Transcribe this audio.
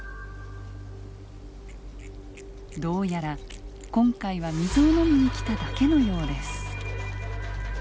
どうやら今回は水を飲みに来ただけのようです。